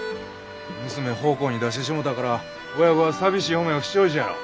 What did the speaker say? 娘奉公に出してしもたから親御は寂しい思いをしちょるじゃろ。